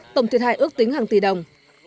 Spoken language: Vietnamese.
tổng thiệt hại ước tính hàng tỷ đồng